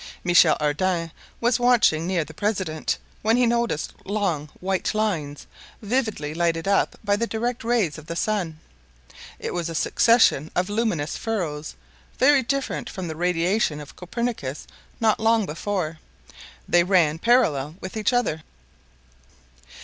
Michel Ardan was watching near the president, when he noticed long white lines, vividly lighted up by the direct rays of the sun. It was a succession of luminous furrows, very different from the radiation of Copernicus not long before; they ran parallel with each other.